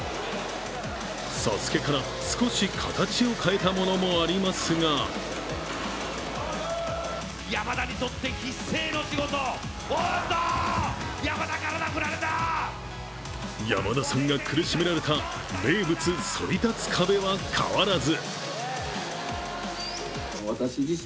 「ＳＡＳＵＫＥ」から少し形を変えたものもありますが山田さんが苦しめられた名物、そり立つ壁は変わらず。